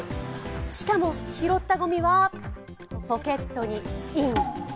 しかも、拾ったごみはポケットにイン。